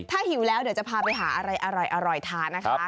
ถ้าหิวแล้วเดี๋ยวจะพาไปหาอะไรอร่อยทานนะคะ